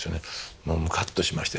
まあムカッとしましてね。